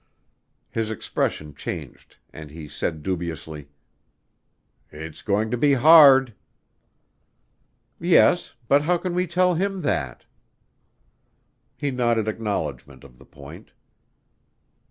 His expression changed and he said dubiously: "It's going to be hard." "Yes, but how can we tell him that?" He nodded acknowledgment of the point.